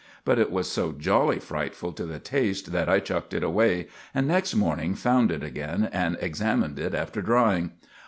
But it was so jolly frightful to the taste that I chucked it away, and next morning found it again and examined it after drying.